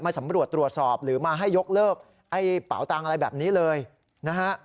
สำรวจตรวจสอบหรือมาให้ยกเลิกไอ้เป๋าตังค์อะไรแบบนี้เลยนะฮะ